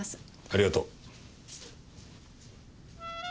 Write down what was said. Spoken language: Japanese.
ありがとう。